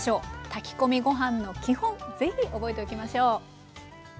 炊き込みご飯の基本ぜひ覚えておきましょう。